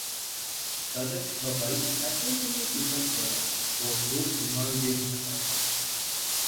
তাদের সবাই একই রঙের পোশাক পরা ও মুখ রুমাল দিয়ে ঢাকা।